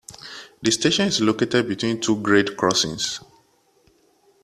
The station is located between two grade crossings.